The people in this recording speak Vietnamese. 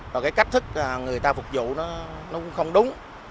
và cái cách thức người ta phục vụ nó cũng không đúng